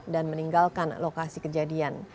dan meninggalkan lokasi kejadian